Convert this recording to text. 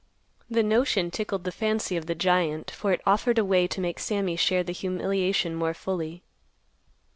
The notion tickled the fancy of the giant, for it offered a way to make Sammy share the humiliation more fully.